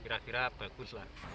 kira kira bagus lah